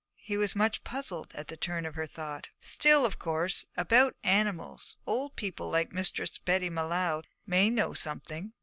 He was much puzzled at the turn of her thought. 'Still, of course, about animals, old people like Mistress Betty M'Leod may know something.'